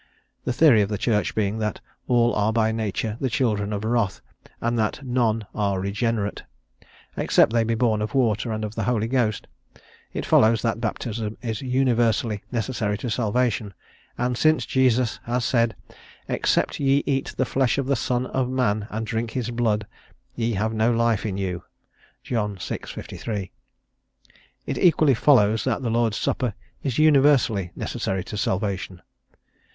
The theory of the Church being that all are by nature the children of wrath, and that "none are regenerate," except they be born of water and of the Holy Ghost, it follows that baptism is universally necessary to salvation; and since Jesus has said, "Except ye eat the flesh of the Son of man and drink his blood, ye have no life in you" (John vi. 53), it equally follows that the Lord's Supper is universally necessary to salvation.